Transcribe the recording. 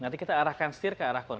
nanti kita arahkan setir ke arah con